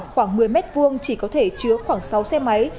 khoảng một mươi m hai chỉ có thể chứa khoảng sáu xe máy